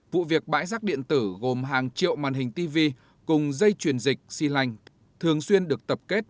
vụ việc bãi rác điện tử gồm hàng triệu màn hình tv cùng dây truyền dịch xy lanh thường xuyên được tập kết